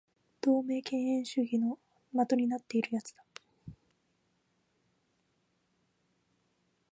石川県津幡町